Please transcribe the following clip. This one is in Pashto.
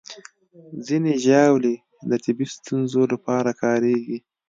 ځینې ژاولې د طبي ستونزو لپاره کارېږي.